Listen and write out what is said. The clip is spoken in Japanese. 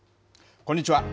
こんにちは。